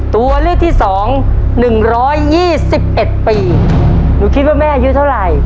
ตัวเลือกที่สองหนึ่งร้อยยี่สิบเอ็ดปีหนูคิดว่าแม่อายุเท่าไหร่